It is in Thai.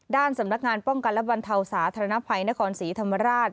ด้านสำนักงานป้องกันและบรรเทาสาธารณภัยนครศรีธรรมราช